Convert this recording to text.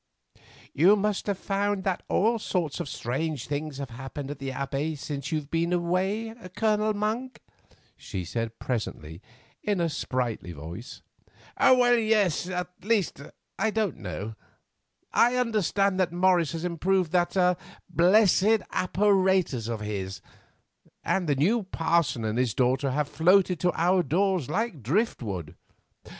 "You must have found that all sorts of strange things have happened at the Abbey since you have been away, Colonel Monk," she said presently in a sprightly voice. "Well, yes; at least I don't know. I understand that Morris has improved that blessed apparatus of his, and the new parson and his daughter have floated to our doors like driftwood.